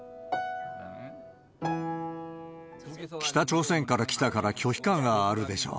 北朝鮮から来たから拒否感があるでしょう？